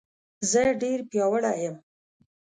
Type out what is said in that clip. زه ډېر پیاوړی یم